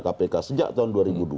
kpk sejak tahun dua ribu dua